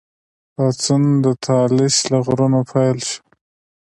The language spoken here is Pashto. پاڅون د طالش له غرونو پیل شو.